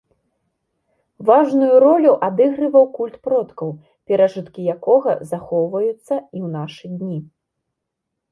Важную ролю адыгрываў культ продкаў, перажыткі якога захоўваюцца і ў нашы дні.